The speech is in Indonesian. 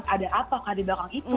ada apakah di belakang itu